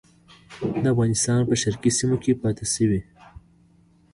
د افغانستان په شرقي سیمو کې پاته شوي.